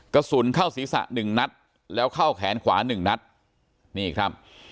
กระสุนเข้าศีรษะหนึ่งนัดแล้วเข้าแขนขวาหนึ่งนัดนี่ครับ